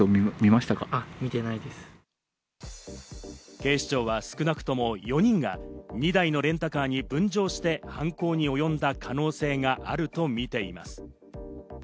警視庁は少なくとも４人が２台のレンタカーに分乗して犯行におよんだ可能性があるとみています。